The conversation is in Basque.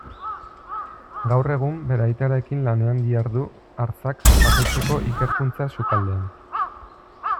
Gaur egun bere aitarekin lanean dihardu Arzak jatetxeko ikerkuntza-sukaldean.